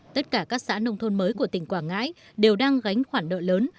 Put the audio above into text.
tất cả các xã nông thôn mới của tỉnh quảng ngãi đều đang gánh khoản nợ lớn